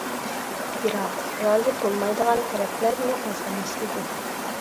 بىراق رازى بولمايدىغان تەرەپلەرمۇ ئاز ئەمەس ئىدى.